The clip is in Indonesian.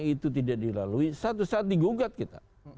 itu tidak dilalui satu saat digugat kita